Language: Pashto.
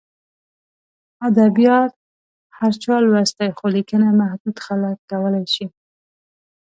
ادبیات هر چا لوستي، خو لیکنه محدود خلک کولای شي.